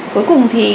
cuối cùng thì